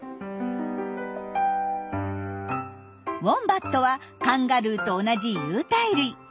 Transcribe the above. ウォンバットはカンガルーと同じ有袋類。